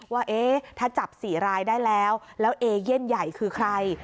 ว่าถ้าจับ๔รายได้แล้วแล้วเอเย่นใหญ่คือใคร